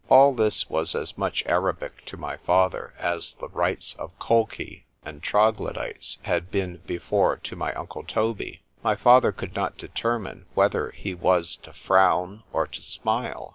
All this was as much Arabick to my father, as the rites of the Colchi and Troglodites had been before to my uncle Toby; my father could not determine whether he was to frown or to smile.